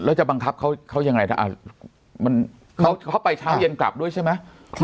แล้วจะบังคับเขายังไงเขาไปเช้าเย็นกลับด้วยใช่ไหม